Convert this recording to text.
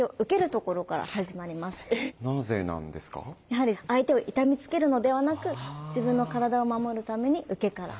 やはり相手を痛めつけるのではなく自分の体を守るために受けから。